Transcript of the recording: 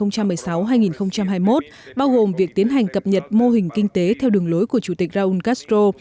cùng việc tiến hành cập nhật mô hình kinh tế theo đường lối của chủ tịch raúl castro